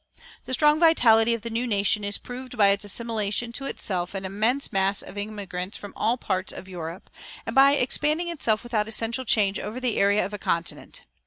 The strong vitality of the new nation is proved by its assimilating to itself an immense mass of immigrants from all parts of Europe, and by expanding itself without essential change over the area of a continent.